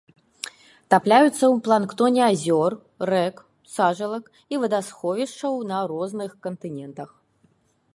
Тапляюцца ў планктоне азёр, рэк, сажалак і вадасховішчаў на розных кантынентах.